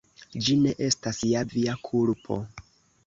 Ĝi ne estas ja via kulpo!